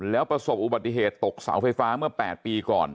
แล้วประสบอุบัติเหตุตกเสาไฟฟ้าเมื่อ๘ปีก่อน